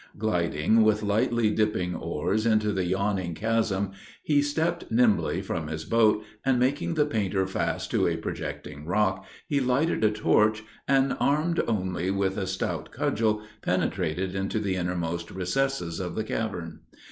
Gliding, with lightly dipping oars, into the yawning chasm, he stepped nimbly from his boat, and making the painter fast to a projecting rock, he lighted a torch, and, armed only with a stout cudgel, penetrated into the innermost recesses of the cavern.